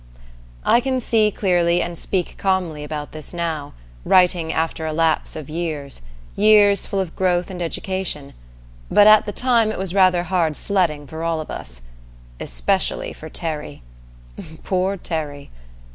I can see clearly and speak calmly about this now, writing after a lapse of years, years full of growth and education, but at the time it was rather hard sledding for all of us especially for Terry. Poor Terry!